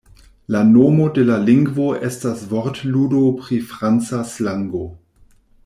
La nomo de la lingvo estas vortludo pri franca slango.